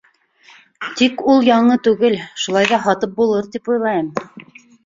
Тик ул яңы түгел, шулай ҙа һатып булыр, тип уйлайым.